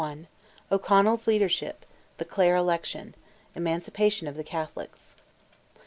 O'CONNELL'S LEADERSHIP—THE CLARE ELECTION—EMANCIPATION OF THE CATHOLICS.